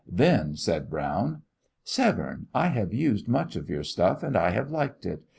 Then said Brown: "Severne, I have used much of your stuff, and I have liked it.